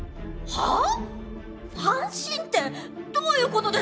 はあ？